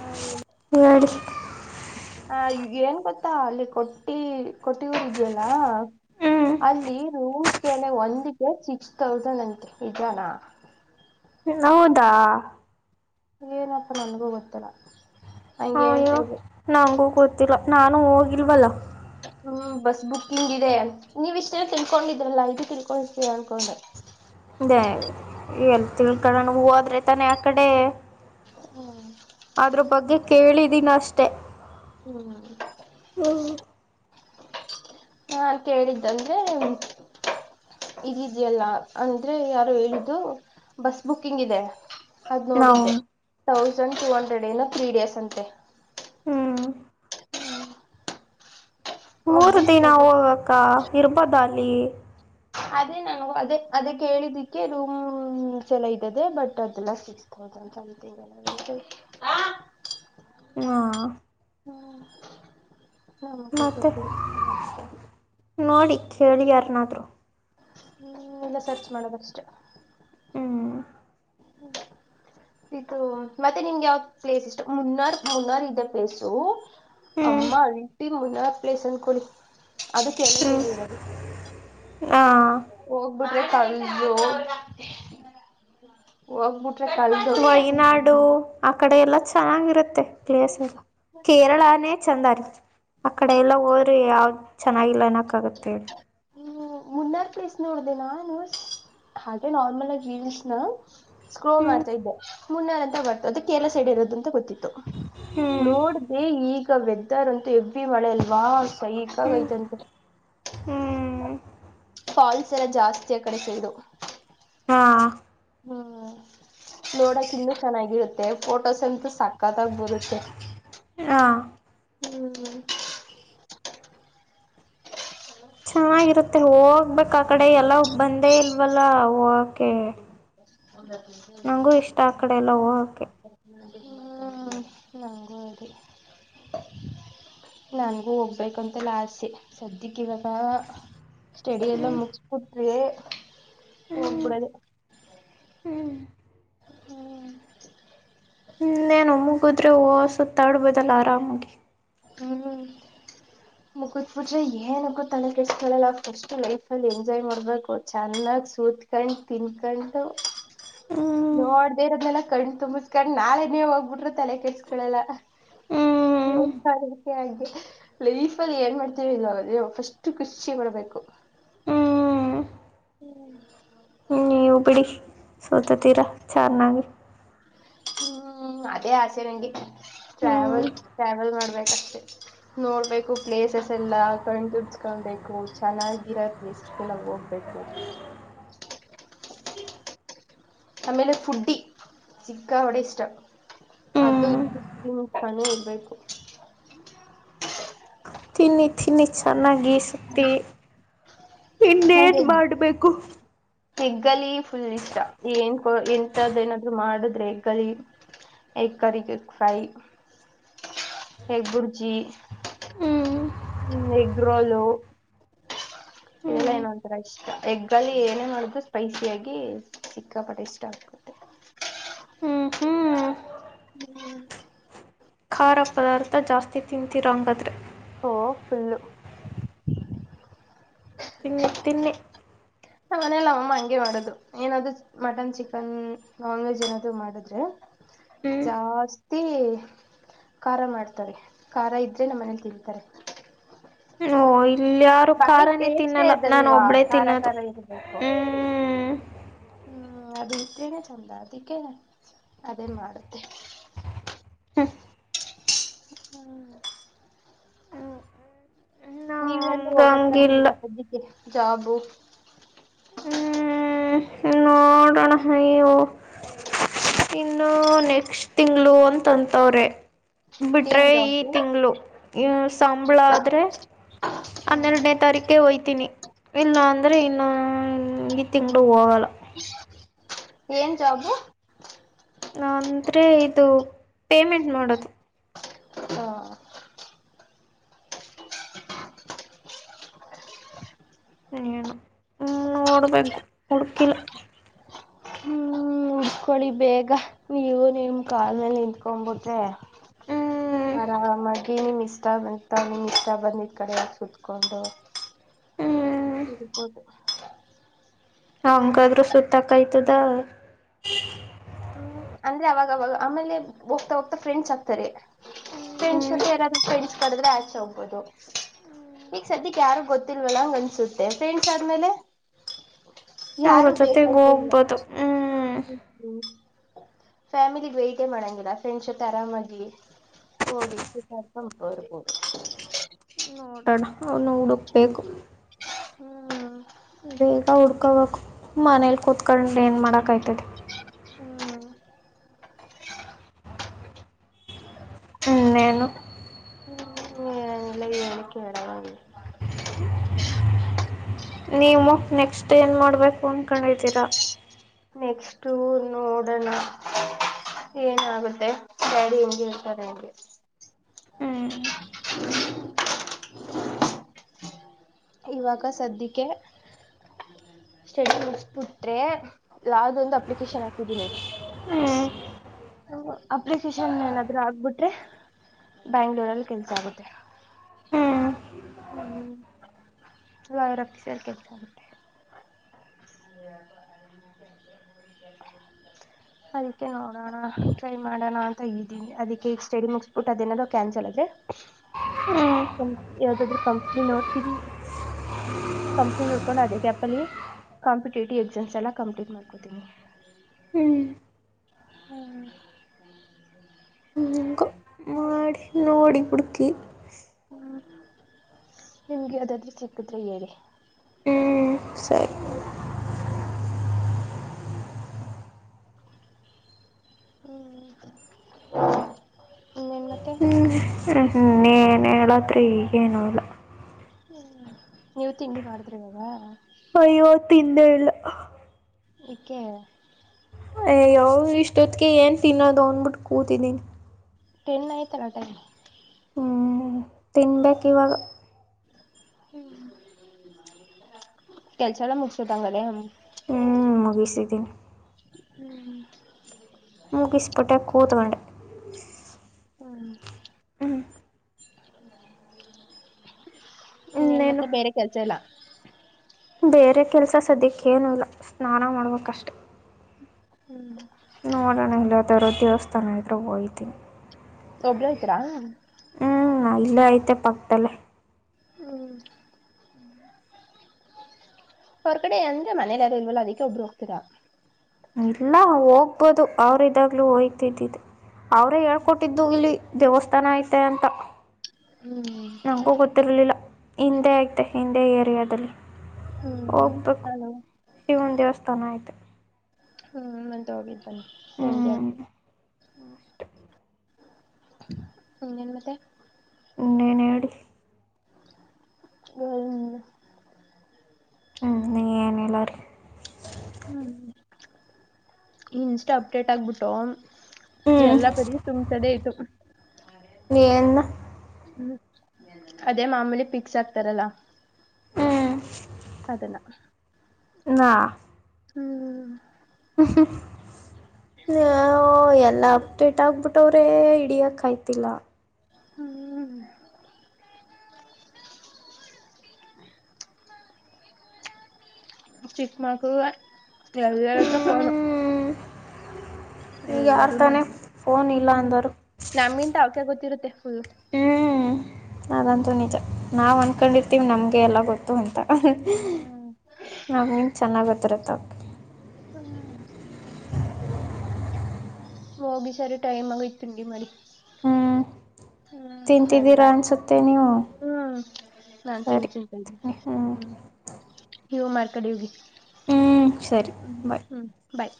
ಹ ಗಡಿ ಹ ಈಗ ಏನ್ ಗೊತ್ತಾ ಅಲ್ಲಿ ಕೊಟ್ಟಿ ಕೊಟ್ಟೂ ಇದೆಯಲ್ಲ ಹ್ಮ್ ಅಲ್ಲಿ ರೂಮ್ಸ್ಗೆನೆ ಒಂದಿಗೆ ಸಿಕ್ಸ್ ತೌಸಂಡ್ ಅಂತೆ ನಿಜಾನಾ ಹೌದಾ ಏನಪ್ಪಾ ನನ್ಗೂ ಗೊತ್ತಿಲ್ಲ ಹಂಗೆ ಹೇಳ್ತಾ ಅಯ್ಯೋ ಇದ್ರು ನಂಗೂ ಗೊತ್ತಿಲ್ಲ ನಾ ನಾನು ಹೋಗಿಲ್ಲ ಅಲ್ವಾ ಹ್ಮ್ ಬಸ್ ಬುಕ್ಕಿಂಗ್ ಇದೆ ನೀವ್ ಇಷ್ಟ ಜನ ತಿಳ್ಕೊಂಡಿದ್ರಲ್ಲ ಈದು ತಿಳ್ಕೊಂಡಿರ್ತೀರ ದ [unintelligible] ಎಲ್ ತಿಳ್ಕಣ ಹೂದ್ರೆ ತಾನೆ ಆ ಕಡೆ ಹ್ಮ ಅದ್ರ ಬಗ್ಗೆ ಕೇಳಿದೀನ ಅಷ್ಟೆ ಹ್ಮ್ ಹ್ಮ್ ನಾು ಕೇಳಿದ್ದಂದ್ರೆ ಇದಿದೆಯಲ್ಲ ಅಂದ್ರೆ ಯಾರು ಹೇಳಿದ್ದು ಬಸ್ ಬುಕ್ಕಿಂಗ್ ಇದೆ ಅದ್ ನಾವು ನೋಡಿದ್ದೆೌ ತೌಸಂಡ್ ಟೂ ಹಂಡ್ರೆಡ್ಏನ ತ್ರೀ ಡೇಸ್ ಅಂತೆ ಹ್ಮ್ ಮೂರ್ ಹೋಗ್ಬಿಟ್ ದಿನ ಬರ್ಬೇಕು ಹೋಗ್ಕ್ಕ ಇರ್ಬೋದ ಅಲ್ಲಿ [inaudible] ಅದೇ ನ ಅದೇ ಅದ ಕೇಳಿದಿಕ್ಕೆ ರೂಮ್ ಸಲ ಇದದೆ ಬಟ್ ಅದೆಲ್ಲ ಸೀ ಕೆ ಥೌಸನ್ ಅಂತ ಹಾ ಮತ್ತೆ ಗೊತ್ತಿಲ್ಲ ನೋಡಿ ಕೇಳಿ ಯಾರ ನ ಹ್ಮ ಇಲ್ಲ ಸರ್ಚ್ ಮಾಡೋದಷ್ಟು ಹ್ಮ ಇಡೂ ಮತ್ತೆ ನಿಮ್ಗೆ ಯಾವ ಪ್ಲೇಸ್ ಇಷ್ಟ ಮುನ್ನಾರ್ ಮುನ್ನಾರ್ ಇದ್ದ ಪ್ಲೇಸು ಹ್ಮ್ ಅಮ್ಮೀ ಮುನ್ನ ಪ್ಲೇಸ್ ಅನ್ಕೊಳ್ಳಿ ಅದಕ್ಕೆಲ್ಲ ಹ್ಮ್ ಕಡೆ ಇರೋದು ಹಾ ಬ ಕಾಲ ಜ ವಯನಾಡು ಆ ಕಡೆ ಎಲ್ಲ ಚೆನ್ನಾಗಿರುತ್ತೆ ಕ್ಲ ಕೇರಳಾನೆ ಚಂದಾರಿ ಆ ಕಡೆ ಎಲ್ಲ ಹೋರಿ ಯಾವ್ದ್ ಚೆನ್ನಾಗಿಲ್ಲ ಕಗತೆ ಹ್ಮ ಮುನ್ನಾರ ಪ್ಲೇಸ್ ನೋಡ್ದೇನಾ ನ ಹಾಗೆ ನಾರ್ಮಲ್ ಆಗ ವಿನ್ಸ್ಯಾ ಸ್ಕ್ರೋ ಹ್ಞೂ ಮಾಡ್ತಾ ಇದ್ದೆ ಮುನ್ನಲ್ ಅಂತ ಬತ ಅದು ಕೇಲ ಸೈಡ್ರೋದುಂತ ಗೊತ್ತದೇ ಹ್ಞೂ ನೋಡ್ದೆ ಈಗ ವೆದರ್ ಅಂತ ಹೆವಿ ಮಳೆ ಅಲ್ವಾ ಸೈಕಾಗ್ ಐತಂತೆ ಹ್ಮ್ ಫಾಲ್ಸ್ ಎಲ್ಲ ಜಾಸ್ತಿಯ ಕಡೆ ಸ ಇದು ಹಾ ಹ್ಮ್ ನೋಡಕ ಇನ್ನುೂ ಚೆನ್ನಾಗಿರುತ್ತೆ ಫೋಟೋಸ್ ಅಂತೂ ಸಾಕ ಕಥ ಬರುತ್ತೆ ಹಾಂ ಹ್ಮ್ ಚೆನ್ನಾಗಿರುತ್ತೆ ಹೋಗ ಹೋಗ್ಬೇಕಕ್ ಆ ಕಡೆ ಎಲ್ಲ ಬಂದೇ ಇಲ್ವಲ್ಲ ಓಕೆ [inaudible] ನಂಗೂ ಹೋಗಕ್ಕೆ ಅದೆ ನನಗೂ ಹೋಗ್ಬೇಕಂತಲ್ಲ ಆಸೆ ಸದ್ಯಕ್ಕೆ ಇವಾಗ ಹ್ಞೂ ಎಲ್ಲ ಮುಗಿಸ್ಬಿಟ್ಟರಿ ಹ್ಞೂ ಹೋಗ್ಬಿಡದೆ ಹ್ಞೂ ಹ್ಮ್ ನಿನ್ನೆ ಒಮ್ಮಗದ್ರೆ ವ ಸುತ್ತಾಡ್ ಬದಲ್ ಆರಾಮಾಗಿ ಹ್ಮ್ ಮುಗತ್ಬಿಟ್ರೆ ಏನಕ್ಕ ತಳ ಕೆಷ್ಟಸ್ಕೊಳ್ಳಲ್ಲ ಫಸ್ಟ್ ಲೈಫಲ್ಲಿ ಎಂಜಾಯ್ ಮಾಡ್ಬೇಕು ಚೆನ್ನಾಗ್ ಸೂತ್ಕೊಂಡು ತಿನ್ಕೊಂಡು ಹ್ಞೂ ನೋಡ್ದೆ ಇರದಲ ಕಂಡ್ ತುಂಬಸ್ಕಂಡ್ ನಾಳೆ ನೀವ ಹೋಗ್ಬಿಟ್ರೆ ತಲೆ ಕೆಡಿಸಿಕೊಳ್ಳಲ್ಲ ಹ್ಞೂ ದಕ್ಕೆ ಹಾಗೆ ಲೈಫ ಅಲ್ಲಿ ಏನ್ ಮಾಡ್ತೀವಿ ಇಲ್ಲಲ್ಲಿ ಫಸ್ಟ್ ಖುಷಿ ಮಾಡಡ್ಬೇಕು ಹ ಬಿಡಿ ಸೋತತೀರಾ ಚನ್ನಾಗಿ ಹ್ಮ್ ಅದೇ ಆಸೆ ನನಗೆ ಹ್ಮ್ ಟ್ರಾವೆಲ್ ಟ್ರಾವೆಲ್ ಮಾಡ್ಬೇಕು ಅಷ್ಟೆ ನೋಡ್ಬೇಕು ಪ್ಲೇಸಸ್ ಎಲ್ಲ ಕಣ್ತುಬ್ಸ್ಕೊಳ್ಬೇಕು ಚೆನ್ನಾಗಿರೋ ಪ್ಲೇಸಸ್ಗೆಲ್ಲ ಹೋಗ್ಬೇಕು ಆಮೇಲೆ ಫುಡ್ಡಿ ಚಿಕ್ಕ ಹೊಡೆ ಇಷ್ಟ ಅದು ಹ್ಮ್ ಇದು ತಿನ್ಕೊಂಡು ಇರ್ಬೇಕು ತಿನ್ನಿ ತಿನ್ನಿ ಚೆನ್ನಾಗಿ ಈ ಶಕ್ತಿ ಇನ್ನ ಏನ್ ಮಾಡ್ಬೇಕು ಯಗ್ಗ ಲೀ ಫುಲ್ ಇಷ್ಟ ಏನ್ ಇಂತದೆ ಏನಾದ್ರು ಮಾಡಿದ್ರೆ ಹೆಗ್ಗಳ ಹೆಗ್ ಕರಿ ಫ್ರೈ ಹೆಗ್ ಗುರ್ಜಿ ಹ್ಮ್ ಹ ಎಗ್ ರೋಲು ಇದೆಲ್ಲ ಹ್ಮ್ ಏನೋ ಒಂತರ ಇಷ್ಟ ಎಗ್ ಅಲ್ಲಿ ಏನೇ ಮಾಡೋದು ಸ್ಪೈಸಿಯಾಗಿ ಸಿ ಕ್ಕಾಪಟೆ ಇಷ್ಟ ಆಗ್ತುತ್ತೆ ಹ್ಮ್ ಹ್ಮ್ ಹ್ಮ ಖಾರ ಪದಾರ್ಥ ಜಾಸ್ತಿ ತಿಂತೀರೋ ಹಂಗಾದ್ರೆ ಓ ಪುಲ್ಲು ತಿ ತಿನ್ನಿ ನ ಮನೇಲ್ಲಮ್ಮ ಹಗೆ ಮಾಡೋದು ಏನಾದೂ ಮಟನ್ ಚಿಕನ್ ನಾನ್ ವೆಜ್ ಏನದು ಮಾಡಿದ್ರೆ ಹ್ಮ್ ಜಾಸ್ತಿ ಖಾರ ಮಾಡ್ತಾರೆ ಖಾರ ಇದ್ರೆ ನಮ್ಮ ಮನೇಲಿ ತಿನ್ತಾರೆ ಹ ಇಲ್ಲ ಯಾರು ಕಾರನೇ ಟೇಸ್ಟೇ ತಿನ್ನಲ್ಲ ನಾನು ಅದಲ್ವಾ ಒಬ್ಬಳೇ ಖಾರ ತಿನ್ನೋದು ಖಾರ ಇರ್ಬೇಕು. ಹ್ಮ್ ಹ್ಮ್ ಅದು ಇತೇನೆ ಚಂದ ಅದಕ್ಕೆ ಅದೇ ಮಾಡುತ್ತೆ ಹ ಹ್ಮ್ ನೀವೆಲ್ಲ ಹೋಗ ಪ್ಲಾನ್ ನಮ್ಗಂಗಿಲ್ಲ ಇಲ್ವಾ ಸದ್ಯಕ್ಕೆ ಜಾಬು ಹ್ಮ್ ನೋಡೋಣ ಅಯ್ಯೋ ಇನ್ನು ನೆಕ್ಸ್ಟ್ ತಿಂಗ್ಳ ಅಂತಂತವ್ರೆ ಬಿಟ್ರೆ ಏನ್ ಈ ಜಾಬು? ತಿಂಗಳು ಸಾಬಳ ಆದ್ರೆ ಹಾ ಹನ್ನೆರಡನೇ ತಾರೀಕೇ ಹಯ್ತೀನಿ ಇಲ್ಲ ಅಂದ್ರೆ ಇನ್ನು [inaudible] ತಿಂಗಳು ಹ ಏನ್ ಜಾಬು ಅಂದ್ರೆ ಇದು ಪೇಮೆಂಟ್ ಮಾಡೋದು ಹಾ ಹಣ ನೋಡ್ಬೇಕು ಹುಡುಕಿಲು ಹ್ಮ್ ಉತ್ಕೊಳ್ಳಿ ಬೇಗ ನೀವು ನಿಮ ಕಾಲ ಮೇಲೆ ನಿಂತ್ಕೊಬಟ್ರೆ ಹ್ಮ್ ಆರಾಮಾಗಿ ನಿಮ್ ಇಷ್ಟ ಬಂತತ ನಿಮ ಇಷ್ಟ ಬಂದಿದ್ ಕಡೆ ಸತ್ಕೊಂಡು ಹ್ಮ್ ಹತದು ಹಂಗಾದ್ರೂ ಸುತ್ತಾಕಯ್ತದ ಹ್ಮ್ ಅಂದ್ರೆ ಅವಾಗವಾಗ ಆಮೇಲೆ ಹೋಗ್ತಾ ಹೋಗ್ತಾ ಫ್ರೆಂಡ್ಸ್ ಆಗ್ತಾರೆ ಫ್ರೆಂಡ್ಸ್ ಹ್ಮ್ ಜತೆ ಯಾರಾದೂ ಫ್ರೆಂಡ್ಸ್ ಕದ್ರೆ ಆಚೆ ಹೋಗ್ಬೋುದು ಈಗ ಸದ್ಯಕ್ಕೆ ಯಾರು ಗೊತ್ತಿಲ್ವಲ್ಲ ಹಂಗ ಅನ್ಸುತ್ತೆ ಫ್ರೆಂಡ್ಸ್ ಆದ್ಮೇಲೆ ಅವ್ರ ಯಾರು ಜೊತೆಗ ಹೋಗ್ಬೋದು ಹ್ಮ್ ಫಾಮ ಬೆಯಟೇ ಮಾಡಂಗಿಲ್ಲ ಫ್ರೆಂಡ್ಪ್ ಆರಾಮಾಗಿಿ ಹೋಗ ನೋಡೋಣ ನೋಡಕ್ಬೇಕು ಹ್ಮ್ ಬೇಗ ಹಡ್ಕಬೇಕು ಮನೇಲಿ ಕುೂತ್ಕೊಂಡ್ರ ಏನ್ ಮಾಡಾಕಾಯ್ತದೆ ಹ್ಮ್ ನೇನು ಹ್ಮಲ್ಲನಕ್ಕೆರ ನೀವು ನೆಕ್ಸ್ಟ್ ಏನ್ ಮಾಡ್ಬೇಕು ಅನ್ಕೊಂಡಿದ್ದೀರಾ ನೆಕ್ಸ್ಟ್ ನೋಡೋಣ ಏನಾಗುತ್ತೆ ಡ್ಯಾಡಿ ಹೆಂಗಗೆ ಹಳ್ತಾರೆ ಹೆಂಗೆ ಇವಾಗ ಸದ್ಯಕ್ಕೆ ಮುಟ್ರೆ ಅಪ್ಲೇಶನ್ ಹಾಕದಿನಿ ಅಪ್ಲಿಕೇಶನ್ ಏನಾದೂ ಹಾಗ್ಬುಟ್ರೆ ಬ್ಯಾಂಗ್ಲೋರ್ ಅಲ್ಲಿ ಕೆಲ್ಸ ಆಗುತ್ತೆ ಲಾಯರ್ ಆಫೀಸ್ ಅಲ್ಲಿ ಕೆಲ್ಸ ಆಗುತ್ತೆ ಅದಕ್ಕೆ ನೋಡೋಣ ಟ್ರೈ ಮಾಡೋಣ ಅಂತ ಇದೀನಿ ಅದಕ್ಕೆ ಈ ಸ್ಟಡಿ ಮುಗಿಸಬಿಟ್ಟು ಅದೇನಾದ ಕ್ಯಾನ್ಸಲ್ ಅದದೆ ಯಾವ್ದಾದ್ರೂ ಕಂಪ್ನಿ ನೋಡ್ತೀರಿ ಕಂಪ್ಲೀಟ್ ನೋಡ್ಕೊಂಡು ಅದೇ ಗ್ಯಾಪಲ್ಲಿ ಕಾಂಪಿಟೇಟಿವ್ ಎಕ್ಸಾಮ್ಸ್ ಎಲ್ಲ ಕಂಪ್ಲೀಟ್ ಮಾಡ್ಕೊತೀನಿ ಹ್ಮ್ ಹ್ಮ ಹಂಗ ಮಾಡಡಿ ಓಡಿಬಿಡುಕ ಹ್ಮ್ ನಿಮ್ಗೆ ಅದಾದ್ರೂ ಚಕ್ಕಿದ್ರ ಹೇಳಿ ಹ್ಞೂ ಸರಿ ಹ್ಮ ಇನ್ನೇನ್ ಮತ್ತೆ ಹ್್ಮ ನೀೇನ್ ಹೇಳತ್ರರಿ ಈ ಏನು ಹೇಳಲ್ಲ ನೀವು ತಿಂಡಿ ಮಾಡಿದ್ರ ಇಾಗ ಅಯ್ಯೋ ತಿಂದೆ ಇಲ್ಲ ೆ ಅಯ್ಯವ ಇಷ್ಟೊತ್ಿಗೆ ಏನ್ ತಿನ್ನೋದು ಅಂದ್ಬಿಟ್ಟು ಕೂತಿದಿನ ಟೆನ್ ಆಯತ ನೋ ಟ ತಿನ್ಬೇಕು ಇವಾಗ ಕೆಲಸಲ್ಲ ಮುಷ್ಟತ ಅ ಕಡೆ ಹ್ಞೂ ಮುಗಿಸಿದ್ದೀನಿ ಹ್ಮ್ ಮುಗಿಸ್ಪಿಟ್ಟ ಕೂತಗಂಡ ಹ್ಮ ಹ್ಮ ಏನ್ ಇನ್ನೇನು ಮತ್ತೆ ಬೇರೆ ಕೆಲಸ ಎಲ್ಲ ಬೇರೆ ಕೆಲಸ ಸದ್ಯಕ್ಕೇನುೂ ಇಲ್ಲ ಸ್ನಾನ ಮಾಡೋಕ್ಕಷ್ಟೆ ಹ್ಮ್ ನೋಡೋಣಹಲ್ಲಾದರ ದೇವಸ್ಥಾನ ವಯತಿಿ ಒಬ್ರ ಆಯ್ತೀರಾ ಹ್ಮ್ ಇಲ್ಲ ಐತೆ ಪಕ್ದಲ್ಲೆ ಹ್ಮ್ ಹೋರ್ಗಡೆ ಅಂದ್ರೆ ಮನೇಲಿಲ್ಲ ಇಲ್ವಲ್ಲ ಅದಕ್ಕೆ ಒಬ್ರು ಹೋಗ್ತರಾ ಇಲ್ಲ ಹೋಗ್ಬೋದು ಅವ್ರ ಇದಾಗ್ಲುೂ ಹಯ್ತಿದ್ದಿದ್ದ ಅವ್ರೇ ಹೇಳ್ಕೊಟ್ಟಿದ್ದು ಇಲ್ಲಿ ದೇವಸ್ಥಾನ ಐತೆ ಅಂತ ಹ್ಮ್ ನಂಗಗೂ ಗೊತ್ತಿರ್ಲಿಲ್ಲ ಹಿಂದೆ ಅಯ್ತೆ ಹಿಂದೆ ಲೆ ಅದಲ್ಲೇ ಹ್ಮ್ ಹೋಗ್ಬೇಕು ನಾನು ಶಿವನ ದೇವಸ್ಥಾನ ಆಯ್ತು ಹ್ಮ್ ಮಂತೋಗ ಎ ನಷ್ಟ ಇನ್ನೇನ್ ಮತ್ತೆ ಇನ್ನೇನ್ ಹೇಳಿ ಹನ್ ಹ್ಮ್ ನೀ ಏನ್ ಇಲ್ಲ ರಿ ಹ್ಮ್ ಇನ್ಷ್ಟ ಅಪ್ಡೇಟ್ ಆಗ್ಬಿಟ್ಟು ಹ್ಮ್ ಎಲ್ಲಾ ಪರಿ ತುಂಬಸದೆೇ ಇತು ನೀನ್ನು ಹ್ಮ್ ಅದೇ ಮಾಮೂಲಿ ಪಿಕ್ಸ್ ಆಗ್ತಾರಲ್ಲ ಹ್ಮ್ ಅಲ್ಲಾ ನ ಹ್ಮ್ ಹ [unintelligible] ಹ ಎಲ್ಲ ಆಗ್ತ ಇಟ್ಟ ಆಗ್ಬಿಟ್ಟ ಮಟ್ಟವ್ರೇ ಇಡಿಯಕ್ಯ್ತಿಲ್ಲ ಹ್ಮ್ ಚಿಕ್ಕ ಮಗು ಕೆಳಳಕ್ಕೆ ಫೋನು ಹ್ಮ್ ಈಗ ಯಾರು ಎಲ್ಲಾರು ನೋಡ್ ತಾನೇ ಫೋನ್ ಇಲ್ಲ ಹ್ಮ ಅಂದರು ನಮ್ಮಿಂತ ಅವಕ ಗೊತ್ತ ಇರುತ್ತೆ ಹ್ಮ್ ಅದಂತೂ ಹ್ಮ್ ನಿಜ ನಾವಂತ ಅನ್ಕೊಂಡಿರ್ತೀವಿ ನಮಗೆಲ್ಲ ಗೊತ್ತು ಅಂತ ಹ್ಮ್ ನಮನ್ ಚೆನ್ನಾಗ್ ಬತ್ತರತ್ತ ತಪ್ಪ ಹ್ಮ ಹೋಗಿ ಸಾರೆ ಟೈಮ್ ಆಗ ತಿಂಡಿಮಾಡಿ ಹ್ಮ್ ಹ್ಮ್ ಸರಿ ತಿಂತಿದ್ದೀರಾ ಬಾಯ ಅನ್ಸುತ್ತೆ ನೀವು ಹ್ಮ್ ನಾನ್ ತಿಂಡಿ ಸರಿ ಚಂತ ಇದ್ದೀನೆ ಹ್ಮ್ ಹಿವು ಮಾರ್ಕಡಿೋಗಿ ಹ್ಮ್ ಸರಿ ಹ್ಮ್ ಬಾಯ್ ಹ್ಮ್ ಬಾಯ್